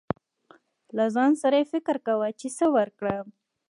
له ځان سره يې فکر کو، چې څه ورکړم.